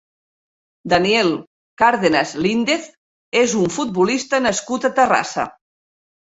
Daniel Cárdenas Lindez és un futbolista nascut a Terrassa.